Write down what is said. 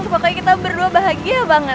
pokoknya kita berdua bahagia banget